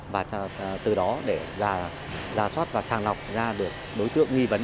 và từ đó để giả soát và sàng lọc ra được đối tượng nghi vấn